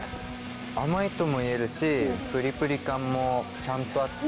甘いとも言えるしプリプリ感もちゃんとあって。